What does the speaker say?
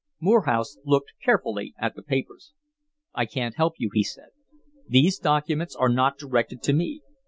Morehouse looked carefully at the papers. "I can't help you," he said. "These documents are not directed to me.